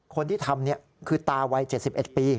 คนที่ทำคือตาวัย๗๑ปี